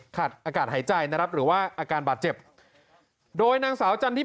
อากาศหายใจนะครับหรือว่าอาการบาดเจ็บโดยนางสาวจันทิพ